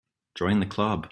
Join the Club.